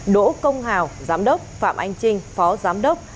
đỗ công hào giám đốc phạm anh trinh phó giám đốc